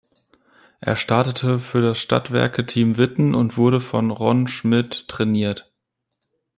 Er startete für das Stadtwerke Team Witten und wurde von "Ron Schmid" trainiert.